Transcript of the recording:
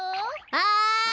はい！